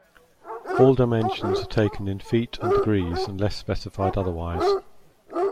All dimensions are taken in feet and degrees unless specified otherwise.